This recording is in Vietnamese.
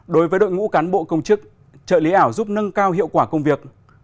đối với đội ngũ cán bộ công chức trợ lý ảo giúp nâng cao hiệu quả công việc